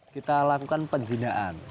kita lakukan penjinaan